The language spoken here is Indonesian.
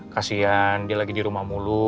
kasian dia lagi di rumah mulu